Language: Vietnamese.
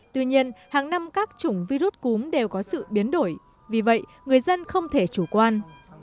tuy nhiên hàng năm các chủng virus cúm đều có sự biến đổi vì vậy người dân không thể chủ quan